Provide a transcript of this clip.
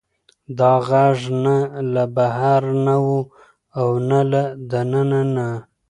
دا غږ نه له بهر نه و او نه له دننه نه.